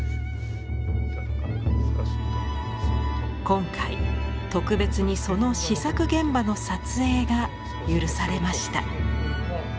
今回特別にその試作現場の撮影が許されました。